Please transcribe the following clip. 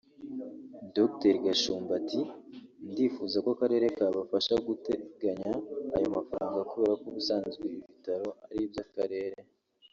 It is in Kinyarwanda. Dr Gashumba ati “Ndifuza ko Akarere kabafasha guteganya ayo mafaranga kubera ko ubusanzwe ibi bitaro ari iby’Akarere